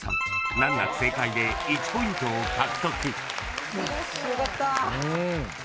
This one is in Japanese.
難なく正解で１ポイントを獲得］よかった。